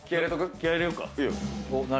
何？